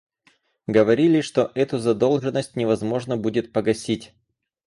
Говорили, что эту задолженность невозможно будет погасить.